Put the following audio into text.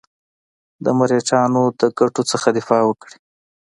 د مرهټیانو د ګټو څخه دفاع وکړي.